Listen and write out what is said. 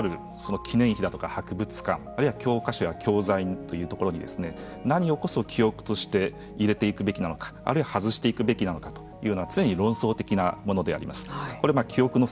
戦争や平和にまつわる記念碑だとか博物館あるいは教科書や教材というところに何をこそ記憶として入れていくべきなのかあるいは外していくべきなのかというのは常に論争的なものであります。